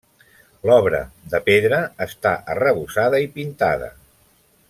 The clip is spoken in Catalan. L'obra, de pedra, està arrebossada i pintada.